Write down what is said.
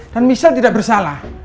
dan michelle tidak bersalah